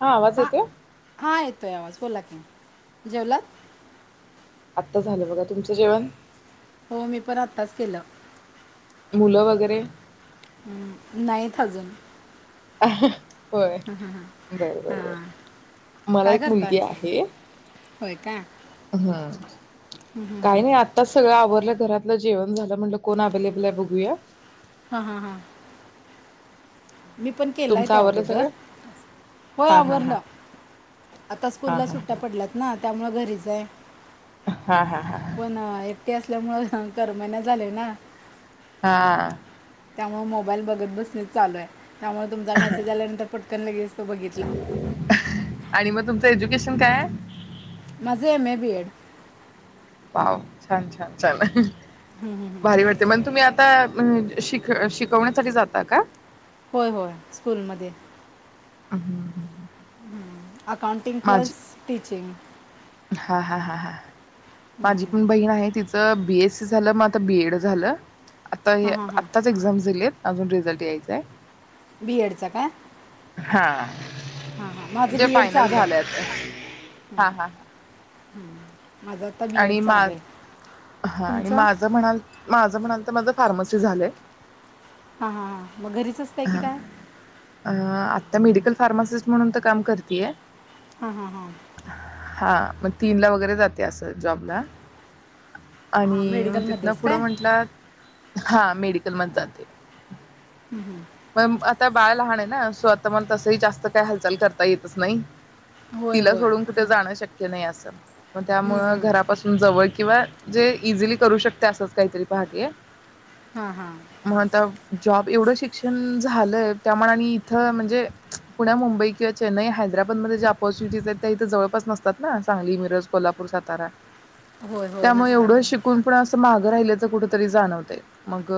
हा आवाज येतोय. हा येतोय आवाज बोला की, आत्ता झालं बघा तुमचं जेवण हो मी पण आत्ताच केलं. मुलं वगैरे? Nine thousand. अह होय बर बर बर मला काय एक करताय मुलगी आहे. होय काय? हम् काही नाही आत्ताच सगळं आव आपल्या घरातलं जेवण झालं म्हनल कोण अबेलेबल आहे बघूया? हा हा हा. मी पण केलाय तुमचं तो आवरलं अगोदर. सगळं? होय हा हा हा आवरलं. आता हा स्कूलला हा सुट्ट्या पडल्यात ना. त्यामुळं घरीचं हाय. हा हा हा. ते असल्यामुळे करमना झालय ना हा त्यामुळे मोबाईल बघत बसणेच चालू आहे. त्यामुळे तुमचा मेसेज आल्यानंतर पटकन लगेच तो बघितला. आणि मग तुमचं एज्युकेशन काय हाय? माझं M A B Ed. Wow छान, छान, छान. भारी वाटते मन तुम्ही आता ता शिक-शिकवण्यासाठी जाता का? होय होय स्कूलमध्ये. हं. अकाउंटिंग माझी प्लस टीचिंग. हा हा हा हा. माझी पण बहीण आहे तिच तर बी एस सी झालं मग आता बी एड झालं. आता हे हां हां हां आत्ताच एक्झाम दिलेत. अजून रिझल्ट यायचंय. बीएडच काय ह हा माझं म्हणजे बीएड फायनल चालू आहे. झालंय आता हा हा हा. हम्म. माझं आता बीएड आणि मा चालू आहे. हा आणि तुमचं माझं म्हणाल माझ म्ह माझ फार्मसी झालय. हा हा ह मग घरीच असतेय की काय? त्या मेडिकल फार्मासिस्ट म्हणून तर काम करतेय. हा हा हा हा मग तीन ला वगैरे जाते असं जॉबला आणि हां म तिथनं मेडिकलमध्येच पुढं काय म्हंटलं हा मेडिकल म जाते. हम्म हम्म. त्या बाळ लहान आहे ना सो आता मला तसही जास्त काय हालचाल करता येतच नाही. होय तिला होय सोडून हम्म, कुठे जाणं शक्य नाही अस तम मग त्यामुळं हम्म. घरापासून जवळ किंवा जे इझिली करू शकते असंच काहीतरी पाहतेय. हा हा मग आता जॉब एवढं शिक्षण झालंय त्यामानाणी इथं म्हणजे पुन्या मुंबई किंवा चेन्नई हैदराबादमध्ये जे ऑपॉर्च्युनिटीज आहेत त्या इथं जवळपास नसतात ना सांगली, मिरज, कोल्हापूर, सातारा होय होय त्यामुळे नसतात एवढं शिकून पण आस माग राहिल्याच कुठरी जाणवय मग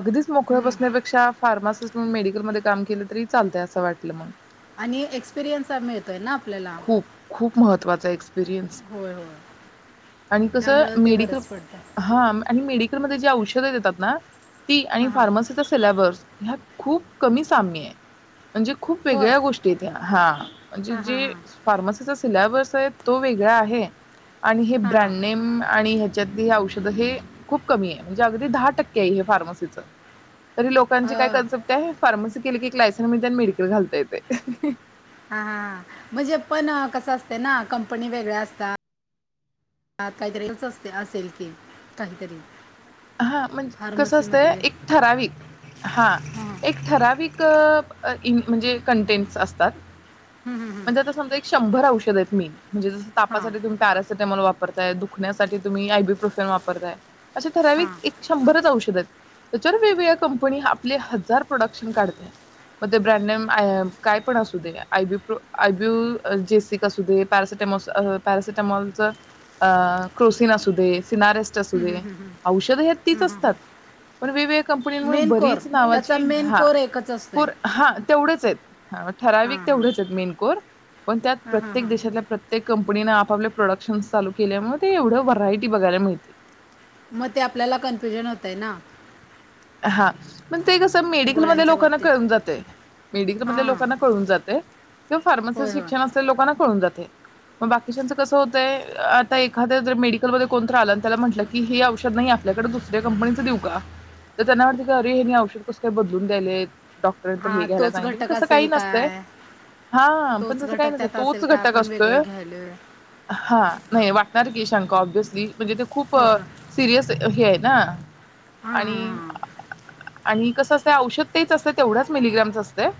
अगदीच मोकळ बसण्यापेक्षा फार्मासिस्टण मेडिकल म काम केलं तरी चालतय असं वाटलं मग आणि एक्सपिरियन्स मिळतोय ना आपल्याला. खूप खूप महत्त्वाचा एक्सपिरियन्स होय होय कस त्यामुळं ते मेडीकल बरंच पडतं हा आणि मेडी ज औषध देतात ना ती आणि हां हां फार्मसीचा सिलेबस ह्यात खूप कमी साम्य आहे. म्हणजे खूप होय वेगळ्या गोष्टीयेत हा म्हणजे हां हां जे हां फार्मसि सिलेबस आहे तो वेगळा आहे. आणि हे हां हां ब्रँड आणि ह्याच्यात औषध हे खूप कमी आहे. म्हणजे अगदी दहा टक्के आहे फार्मसीच तरी लोकांचे काय अं, कन्सेप्ट आहे फार्मसी केल की एक लायसन मिळतंय आणि मेडिकल घालता येतंय. हा हा हा म्हणजे पण कसं असते ना कंपनी वेगळ्या असतात काहीतरी [unintelligible] असेल की काहीतरी. हा म्हणजे कस असतंय फार्मसीमध्ये एक हां ठराविक, हा हां एक ठराविक कब अ इन म्हणजे कंटेंट असतात. हम्म, हम्म, हम्म. म्हणजे आता समजा एक शंभर औषध आहेत मेन. म्हणजे जसं हा तापासाठी तुम्ही पॅरासी सिटॅमल वापरताय दुखण्यासाठी तुम्ही आयबी प्रोफल वापरताय अशे ठराविक हा एक शंभरच औषध आहेत त्याच्यावर वेगवेगळ्या कंपनी आपले हजार प्रोडक्शन काढतय. मग ते brand name I I am काय पण असू दे आय बी प्रो आय बू जेसिक असू दे पॅरासिटॅमॉल अ पॅरासिटॅमॉल, क्रोसिन असू दे. सिनारेस्ट असू दे. औषध हे तीच असतात पण वेगवे कंपनीनंमूळ मेन कोर बरीच त्याचा नावाची मेन हा कोर एकच असतोय कुर हा तेवढेच आहेत हा ठराविक तेवढेच आहेत मेन कोर. पण त्यात हा हा प्रत्येक हा देशातल्या प्र ते कंपनीन आपापल प्रोडक्शनस चालू केल्यामुळे ते एवढं व्हरायटी बघायला मिळते. मग ते आपल्याला कन्फ्युजन होतय ना. हा म ते कसं मेडिकलमधल्या गोळ्यांच्या लोकांना बाबतीत कळून जातंय. मेडिकलमधल्या हां लोकांना कळून जातंय. किवा फार्मसी चे होय होय शिक्षण असणाऱ्यांना लोकना कळून जात हे मग बाकीच्याच कस होतंय ताई आता एखाद्या जर मेडिकलमध्ये कोणतं आलं त्याला म्हटलं की हे औषध नाही आपल्याकडे दुसऱ्या कंपनीच देऊ का? त्यांना वाटतंय की अरे यांनी मी औषध कसं काय बदलून द्यायलेय डॉक्टरां तर हे हा घ्यायला तोच सांगित पण घटक तस काही असेल नसतं. काय हा पण तोच तस काही घटक नसतय त्यात तोच असेल काय घटक आपण वेगळं असतोय घ्यायलो हा नाही वाटणार की शंका ऑब्बेस्ली. म्हणजे ते खूप होय होय सिरियस हाय हे हाय ना. हां आणि हां हां आणि कसं असतय औषध तेच असत तेवढाच मिलिग्रॅमचं असतय.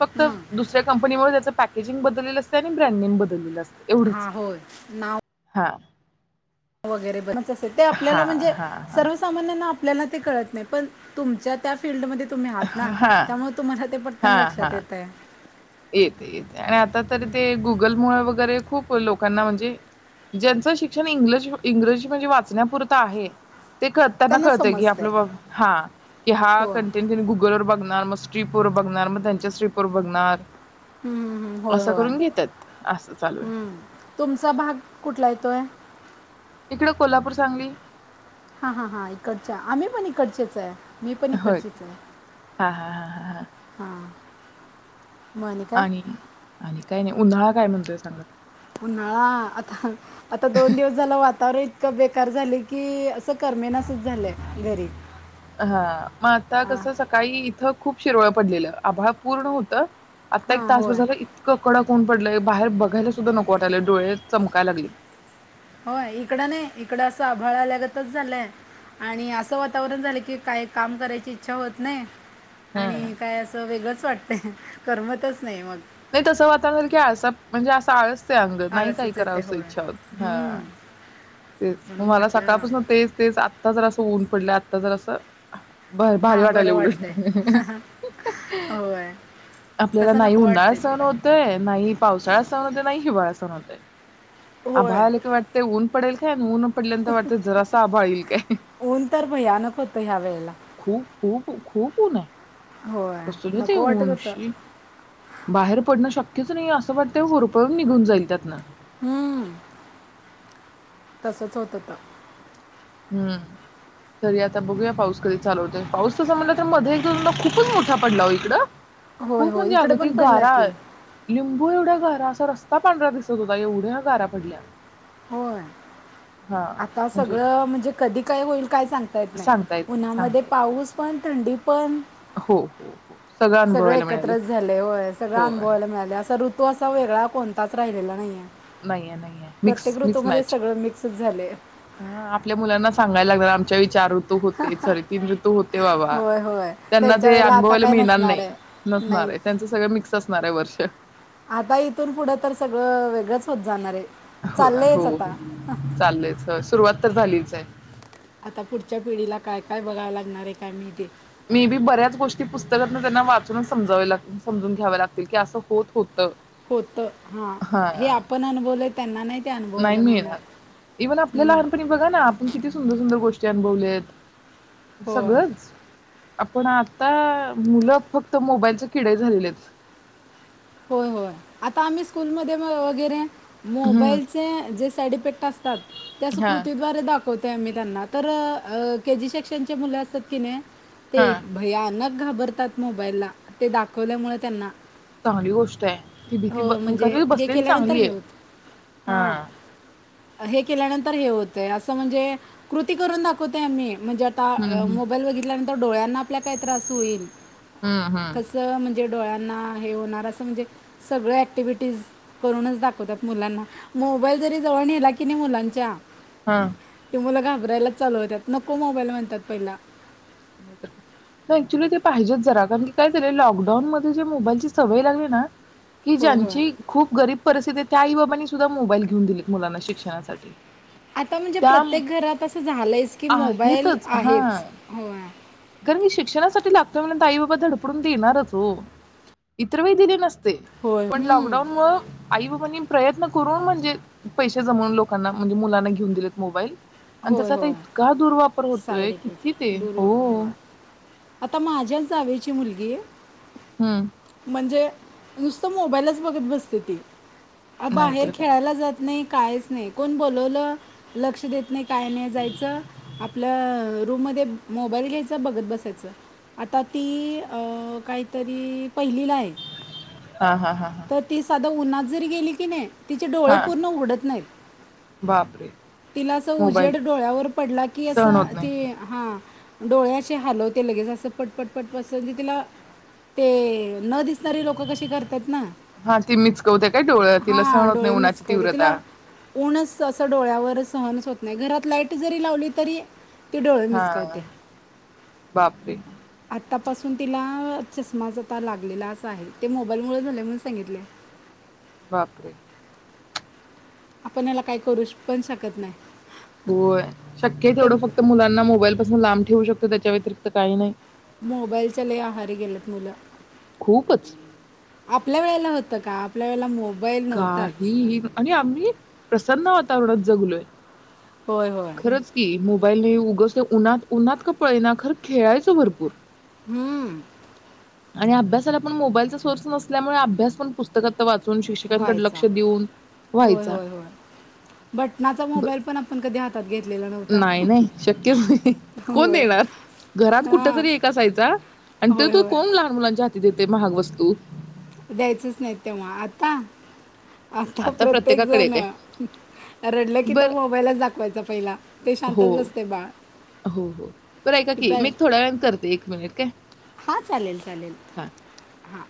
फक्त हम्म. दुसऱ्या कंपनीमुळे त्याच पॅकेजिंग बदललेलं असतय आणि ब्रँड नेम बदललेलं असत य एवढंच हा होय नाव हा. वगैरे [unintelligible] आपल्याला म्हणजे हां, हां. सर्वसामान्यांना आपल्याला ते कळत नाय पण तुमच्या त्या फिल्डमध्ये तुम्ही आहात ना हां, त्यामुळे तुम्हाला ते पटकन हां, हां. लक्षात येतय. येते येते आणि आता तरी ते गुगल [unintelligible] वगरे खूप लोकांना म्हणजे ज्यांचं शिक्षण इंग्रजी म्हणजे वाचण्यापुरतं आहे ते [unintelligible] कळताना त्यांना कळतय की समजतंय आपलं हा की हा होय हम्म, कंटेंट तु गुगल वर बघून मग स्किप वर बघणार मग त्यांच्या स्किप वर बघणार. हम्मम् हम्म होय असं होय करून घेतात असं चालू आहे हम्म तुमचा भाग कुठला येतोय? इकडे कोल्हापूर-सांगली. हा हा हा इकडच्या आम्ही पण इकडचेच आहे. मी पण होय इकडचिचाय हा हा हा हा हा. म आणि काय? आणि काय नाही उन्हाळा काय म्हणतोय सांगा. उन्हाळा आता आता दोन दिवस झालं वातावरण इतकं बेकार झालय की असं करमेनास च झालंय घरी. हा मग आता आ, कसं सकाळी इथं खूप शिरवळ पडलेलं आभाळ पूर्ण होतं आता एक हां तास होय बसाायला इतक कडक ऊन पडलंय बाहेर बघायला सुद्धा नको वाटालं डोळे चमकाय लागलेत. हो इकडं नाही इकडं असं आभाळा आल्यागतच झालंय आणि असं वातावरण झालं की काय काम करायची इच्छा होत नाही आणि हां. काय असं वेगळंच वाटत. करमतच नाही मग नाही तसं वाातावरण झाल की आळसा म्हणजे असा आळस सांग नाही काय आळसच येते करावं होय इच्छा होत हम्म. हा. तेच मग म्हणून मला म्हटलं सकाळपासून तेच, तेच आ आत्ता जर सा ऊन पडलाय, आत्ता जरा सा बरं भारी हां वाटालय बरं वाटतंय उलट, होय आपल्याला तसं नाही नको उन्हाळा वाटतंय ते सण होतय नाही पावसाळा सहन होत नाही, हिवाळा सहन होतय. होय आभाळ आलं की वाटते उन पडेल हेन ऊन पडल्यांत वाटत जरा सा आभाळ येईल का, ऊन तर भयानक होतं ह्या वेळेला खूप खूप-खूप ऊन आहे. होय कसलं ते नको वाटत ऊन होतं. शी बाहेर पडणं शक्यच नाही असं वाटतय, होरपळून निघून जाईल त्यात ना. तसचं होत होता. हम्म तरी आता बघूया पाऊस कधी चालू होतय, पाऊस तसं म्हटलं तर मध्ये एक-दोनदा खूपच मोठा पडला हो इकडं होय खूप होय म्हणजे इकडे अगदी पण पडला गारा की लिं होय एवढा गारा असा रस्ता पांढरा दिसत होता, एवढ्या गारा पडल्या. होय हा आता म्हणजे सगळं म्हणजे कधी काय होईल? काय सांगता येत नाही, सांगता येत नाही उन्हामध्ये सांगता येत पाऊस पण थंडी पण नाही. हो हो हो सगळं सगळे अनुभवायला मिळाले एकत्रचं झाले, होय सगळं होय अनुभवाला मिळाले असं ऋतु तो असा वेगळा कोणताच राहिलेला नाही आहे. नाहीये नाहीये मिक्स प्रत्येक मिक्स ऋतूमध्ये मॅच सगळं मिक्सचं झालय. हा आपल्या मुलांना सांगायला लागणार आमच्या वेळी चार ऋ तू होते, सॉरी तीन ऋतू होते बाबा होय होय त्यांना त्यांच्या ते वेळेला आता अनुभवायला काय मिळणार नसणार नाही आहे नसणार आहे, नाहीच त्यांचा सगळं मिक्स असणार आहे, वर्ष. [inaudible] आता इथून पुढं तर सगळं वेगळंच होत जाणार आहे. हो ना हो चाललंयच आता चाललेचस सुरुवात तर झालीचं आहे. आता पुढच्या पिढीला काय-काय बघावं लागणार आहे, काय माहिती? मी बी बऱ्याच गोष्टी पुस्तकातन त्यांना वाचूनच समजवाय ला समजून घ्याव्या लागतील की असं होत- होतं. होतं हा हे आपण अनुभवलय त्यांना नाही ते नाही अनुभवायला मिळणार, इवन आपल्या हम्म, लहानपणी बघा ना आपण किती सुंदर-सुंदर गोष् चन भवलयत. होय सगळंच आपण आता मुलं फक्त मोबाईलचे किडे झालेले आहेत. होय-होय आता आम्ही स्कूलमध्ये म वगैरे हम्म मोबाईलचे जे साइडीफेक्ट असतात ते असं हा कृतीद्वारे दाखवतोय, आम्ही त्यांना तरं अ के जी सेक्शनचे मुलं असतात की नाही हा ते भयानक घाबरतात मोबाईलला ते दाखवल्यामुळे त्यांना चांगली गोष्ट ये ती भीती हो म्हणजे कधी हे बसलेली केल्यानंतर चांगली हे ये होतं हा. हां हे केल्यानंतर हे होतय असं म्हणजे कृती करून दाखवत नाही आम्ही म्हणजे हम्म आता हम्म मोबाईल बघितल्या नंतर डोळ्यांना आपल्या काही त्रास होईल हम्म हा. कसं म्हणजे डोळ्यांना हे होणार असं म्हणजे सगळं ॲक्टिव्हिटीज करूनच दाखवतात, मुलांना मोबाईल जरी जवळ नेला कणी मुलांच्या हा ती मुल घाबर घाबरायलाच चालू होत्यात नको मोबाईल म्हणत्यात पहिला. नाही ऍक्च्युली ते पाहिजेच जरा आता मी काय केलेल लॉकडाऊन मध्ये जे मोबाईलची सवय लागली ना कि हो हो ज्यांची खूप गरीब परिस्थिती त्या आई बाबांनी सुद्धा मोबाईल घेऊन दिलेत मुलांना शिक्षणासाठी. आता म्हणजे त्या प्रत्येक घरात असं झालंयेच की मोबाईल आहेच होय. खर मी शिक्षणासाठी लागतोय म्हटल आई बाबा धडपडून देणारच वो इतर वेळ दिले नस ते होय पण हम्म. लॉकडाऊन मुळ आई- कोणी प्रयत्न करून म्हणजे पैसे जमवून लोकांना म्हणजे मुलांना घेऊन दिलेत मोबाईल. आणि होय त्याचा आता होय इतका दूर् वापर. होतोय साईड किती ते इफेक्ट हो. दुर्वापर होय आता माझ्या जावे. चि मुलगी हम्म म्हणजे नुसत मोबाईलच बघत बसते ती. बाहेर नाहीतर काय खेळायला जात नाही. काहीच नाही कोण बोलवलं लक्ष देत नाही काय नाही जायचं. रूममध्ये मोबाईल घ्यायचा बघत बसायचं, आता ती काहीतरी पहिलीला आहे. हा हा हा हा आता उन्हात जरी गेली की नाही. तिचे डोळे हा पूर्ण उघडत नाहीत. बापरे तिला अस मोबाईल उजेड डोळ्यावर पडला. की सहन असं होत ते नाही हा. डोळ्या हलव ते लगेच अस पटपट पट तिला ते न दिसणारी लोक कशी करत. हा ती मिचकवते काय डोळं तिला सहण हां होत डोळे नाही, उन्हाची मिचकवते तीव्रता तिला ऊनच असं डोळ्यावर सहनच होत नाही. घरात लाईट जरी लावली. तरी ती दोळ हा मिसकावते आ. बापरे आतापासून तिला चष्माच आता लागलेला असं आहे ते मोबाईलमुळे झाले म्हणून सांगितले. बापरे. आपण याला काही करू पण शकत नाही. होय शक्य ते तेवढं फक्त मुलांना मोबाईल पासून लांब ठेवू शकतो. त त्याच्या व्यतिरिक्त काही नाही. मोबाईलच्या लई आहारी गेल्यातत मुलं खूपच आपल्या वेळेला होत. त आपल्या वेळेला मो काही आणि आम्ही प्रसन्न वातावरणात. जगलोय. होय होय खरंच की मो मोबाईल नाही उगस उन्हात उन्हात का पळना खर खेळायचं भरपूर. हम्म. आणि अभ्यासाला पण मोबाईलचा सोर्स नसल्यामुळे अभ्यास पण पुस्तकात वाचून शिक व्हायचा होय होय होय बटनाचा ब मोबाईल पण आपण कधी हातात घेतले नाही नाही शक्यच नाही कोण होय देणार घरात कुठ हां तरी एक असयचा आणि त्यो होय तर होय कोण लहान मुलांच्या हाती देतेय महाग वस [unintelligible] द्यायचंच नाही तेव्हा आता आता प्रत्येक प्रत्येकाकडे जण एक आहे. रडलं कि तर बरं मोबाईलच दाखवायचा पहिला ते हो, शांतच असतय बाळ हो, हो. बरं ऐका [unintelligible] की मी एक थोड्या वेळाने करते एक मिनिट काय? हा चालेल चालेल हां. हा.